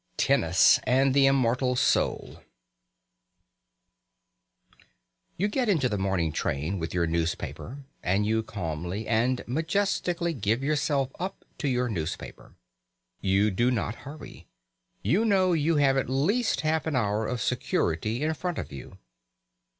V TENNIS AND THE IMMORTAL SOUL You get into the morning train with your newspaper, and you calmly and majestically give yourself up to your newspaper. You do not hurry. You know you have at least half an hour of security in front of you.